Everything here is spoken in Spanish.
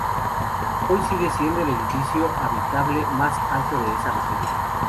Hoy sigue siendo el edificio habitable más alto de esa región.